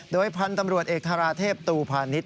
โดยพันธุ์ตำรวจเอกธาราเทพตูพาณิชย